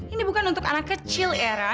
ini bukan untuk anak kecil era